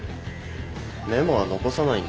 メモは残さないんだ。